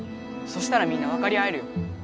そしたらみんなわかり合えるよ。